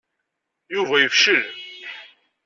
Yuba yefcel.